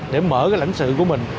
để mở cái lãnh sự của mình